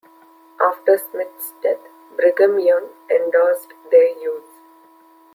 After Smith's death, Brigham Young endorsed their use.